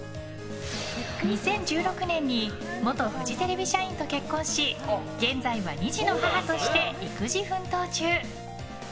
２０１６年に元フジテレビ社員と結婚し現在は２児の母として育児奮闘中。